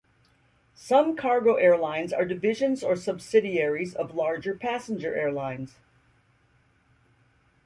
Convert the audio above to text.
Some cargo airlines are divisions or subsidiaries of larger passenger airlines.